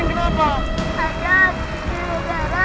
ke kepala sekolah